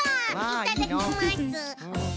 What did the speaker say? いただきます。